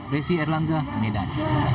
resi erlangga medan